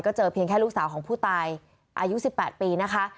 เจอเพียงแค่ลูกสาวของผู้ตายอายุ๑๘ปีนะคะ